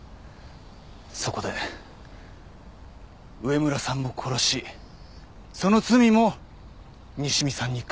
そこで上村さんも殺しその罪も西見さんにかぶせることにした。